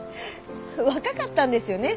若かったんですよね？